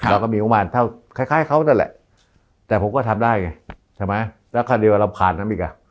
เราก็มีงบมารเท่าคล้ายเขานั่นแหละแต่ผมก็ทำได้ไงใช่ไหมแล้วคันเดียวเราผ่านนั้นอีกอ่ะ